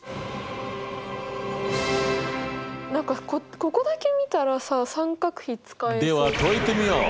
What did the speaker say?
何かここだけ見たらさ三角比使えそう。